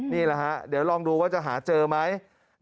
นี่แหละฮะเดี๋ยวลองดูว่าจะหาเจอไหม